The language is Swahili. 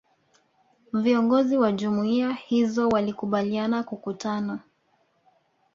Viongozi wa Jumuiya hizo walikubaliana kukutana